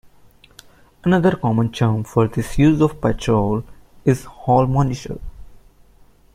Another common term for this use of patrol is "hall monitor".